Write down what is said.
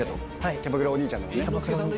キャバクラお兄ちゃんだもんね。